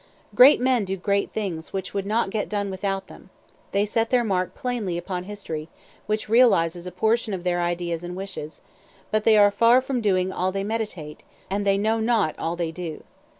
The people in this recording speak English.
Great men do great things which would not get done without them; they set their mark plainly upon history, which realizes a portion of their ideas and wishes; but they are far from doing all they meditate, and they know not all they do.